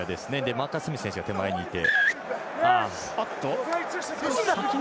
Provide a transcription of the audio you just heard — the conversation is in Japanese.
マーカス・スミス選手が手前にいて。